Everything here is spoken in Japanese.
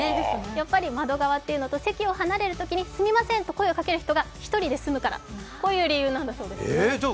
やっぱり窓側というのと、席を離れるときにすみませんと声をかける人が１人で済むからという理由なんだそうです。